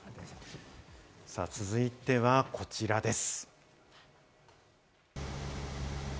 続いてはこちらです。